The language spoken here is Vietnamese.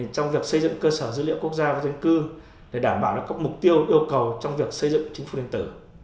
trong việc xây dựng cơ sở dữ liệu quốc gia về dân cư để đảm bảo được các mục tiêu yêu cầu trong việc xây dựng chính phủ điện tử